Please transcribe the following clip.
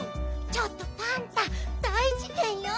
ちょっとパンタ大じけんよ。